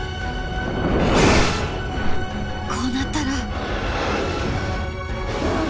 「こうなったら」。